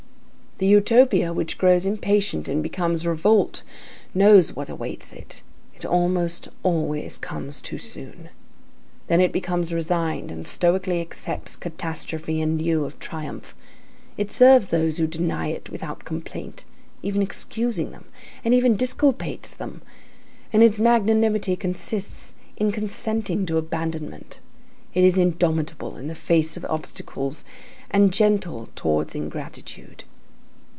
The Utopia which grows impatient and becomes revolt knows what awaits it; it almost always comes too soon. Then it becomes resigned, and stoically accepts catastrophe in lieu of triumph. It serves those who deny it without complaint, even excusing them, and even disculpates them, and its magnanimity consists in consenting to abandonment. It is indomitable in the face of obstacles and gentle towards ingratitude.